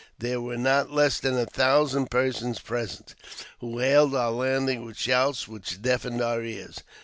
There were not less than a thousand persons present, who hailed our landing with shouts which deafened our ears.